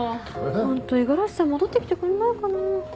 ホント五十嵐さん戻ってきてくれないかな。